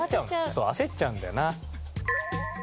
そう焦っちゃうんだよな。